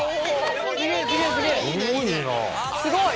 すごい！